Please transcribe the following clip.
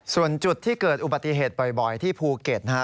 ส่วนจุดที่เกิดอุบัติเหตุบ่อยที่ภูเก็ตนะฮะ